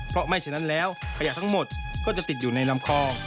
เพราะไม่ฉะนั้นแล้วขยะทั้งหมดก็จะติดอยู่ในลำคอ